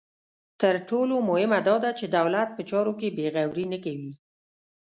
تر ټولو مهمه دا ده چې دولت په چارو کې بې غوري نه کوي.